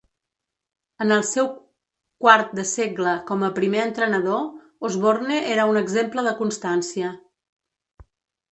En el seu quart de segle com a primer entrenador, Osborne era un exemple de constància.